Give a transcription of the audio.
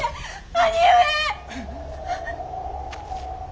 兄上！